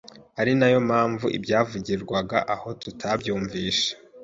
ari nayo mpamvu ibyavugirwaga aho tutabyumvishe